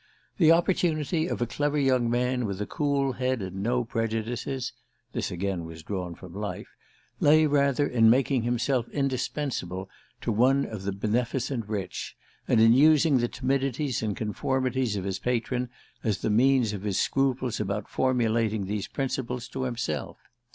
The opportunity of a clever young man with a cool head and no prejudices (this again was drawn from life) lay rather in making himself indispensable to one of the beneficent rich, and in using the timidities and conformities of his patron as the means of his scruples about formulating these principles to himself.